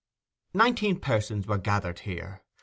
Nineteen persons were gathered here.